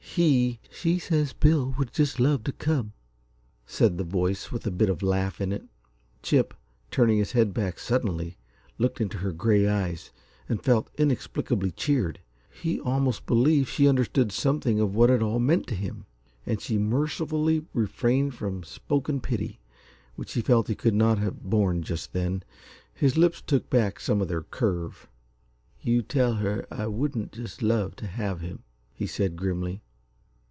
He "She says Bill would just love to come," said the voice, with a bit of a laugh in it. Chip, turning his head back suddenly, looked into the gray eyes and felt inexplicably cheered. He almost believed she understood something of what it all meant to him. And she mercifully refrained from spoken pity, which he felt he could not have borne just then. His lips took back some of their curve. "You tell her I wouldn't just love to have him," he said, grimly.